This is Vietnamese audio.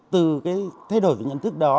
từ thay đổi về nhận thức đó